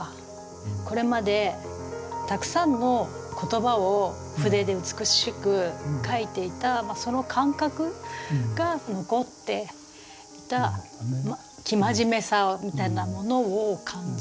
これまでたくさんの言葉を筆で美しく書いていたその感覚が残っていた生真面目さみたいなものを感じます。